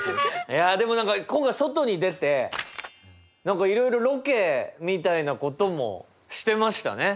いやでも何か今回外に出て何かいろいろロケみたいなこともしてましたね。